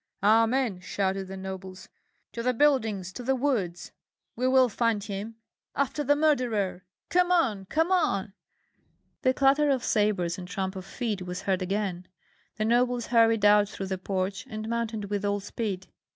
"Amen!" shouted the nobles. "To the buildings, to the woods! We will find him! After the murderer!" "Come on! come on!" The clatter of sabres and tramp of feet was heard again. The nobles hurried out through the porch, and mounted with all speed.